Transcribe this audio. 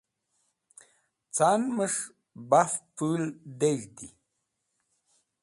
Can’mes̃h baf pũl dez̃hdi.